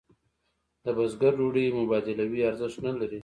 د بزګر ډوډۍ مبادلوي ارزښت نه لري.